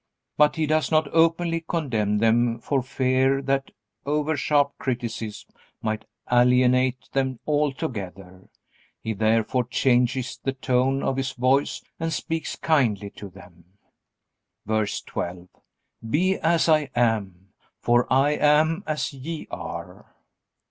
But he does not openly condemn them for fear that oversharp criticism might alienate them altogether. He therefore changes the tone of his voice and speaks kindly to them. VERSE 12. Be as I am; for I am as ye are.